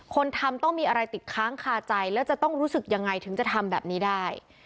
คนทำต้องมีอะไรติดค้างคาใจแล้วจะต้องรู้สึกยังไงถึงจะทำแบบนี้ได้